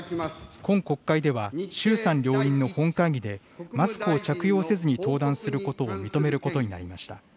今国会では、衆参両院の本会議で、マスクを着用せずに登壇することを認めることになりました。